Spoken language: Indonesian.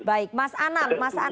oke baik mas anam mas anam